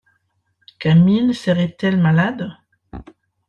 Camille serait-elle malade ?…